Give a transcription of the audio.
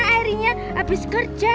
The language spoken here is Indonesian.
akhirnya abis kerja